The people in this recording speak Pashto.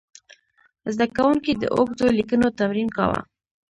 زده کوونکي د اوږدو لیکنو تمرین کاوه.